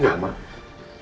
saya mau pergi